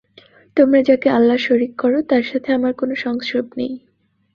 তোমরা যাকে আল্লাহর শরীক কর তার সাথে আমার কোন সংশ্রব নেই।